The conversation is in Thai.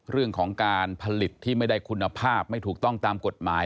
เรื่องของการผลิตที่ไม่ได้คุณภาพไม่ถูกต้องตามกฎหมาย